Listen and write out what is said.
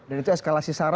dan itu eskalasi sara